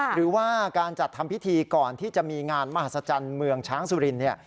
หรือว่าการจัดทำพิธีก่อนที่จะมีงานมหัศจรรย์เมืองช้างสุรินเนี่ย